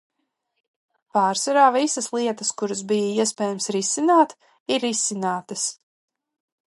Pārsvarā visas lietas, kuras bija iespējams risināt, ir risinātas.